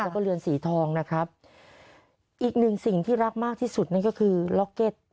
แล้วก็เรือนสีทองนะครับอีกหนึ่งสิ่งที่รักมากที่สุดนั่นก็คือล็อกเก็ต